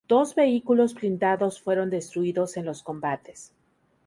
Dos vehículos blindados fueron destruidos en los combates.